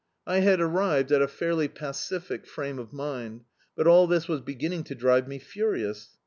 I had arrived in a fairly pacific frame of mind, but all this was beginning to drive me furious.